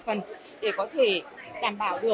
để có thể đảm bảo được là thứ nhất là cơ sở quan trọng nhất